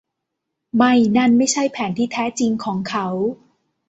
ไม่นั่นไม่ใช่แผนที่แท้จริงของเขา